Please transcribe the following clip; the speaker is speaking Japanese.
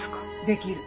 できる。